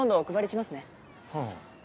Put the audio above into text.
はあ。